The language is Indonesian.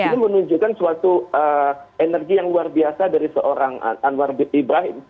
ini menunjukkan suatu energi yang luar biasa dari seorang anwar ibrahim